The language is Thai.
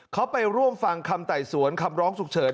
เขาไปร่วมฟังคำไต่สวนคำร้องฉุกเฉิน